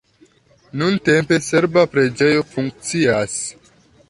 Nuntempe serba preĝejo funkcias.